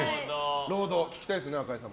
「ロード」聴きたいですよね赤井さん。